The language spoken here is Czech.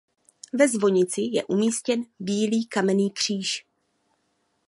Ve zvonici je umístěn bílý kamenný kříž.